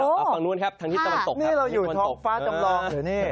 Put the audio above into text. นี่เราอยู่ท้องฟ้าจำลองหรือนี่